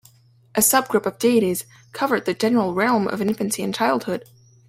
A sub-group of deities covered the general realm of infancy and childhood.